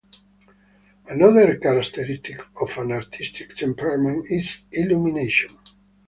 Another characteristic of an artistic temperament is illumination.